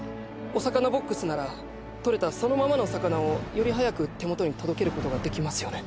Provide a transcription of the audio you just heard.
お魚ボックスなら取れたそのままのお魚をより早く手元に届けることができますよね。